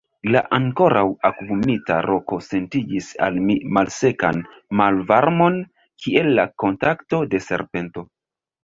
La ankoraŭ akvumita roko sentigis al mi malsekan malvarmon, kiel la kontakto de serpento.